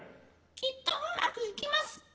きっとうまくいきます。